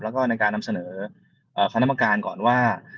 แล้วก็ในการนำเสนอคณะกรรมการก่อนว่า